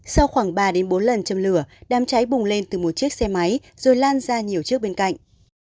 sau khoảng ba đến bốn lần châm lửa đám cháy bùng lên từ một chiếc xe máy rồi lan ra nhiều trước bên cạnh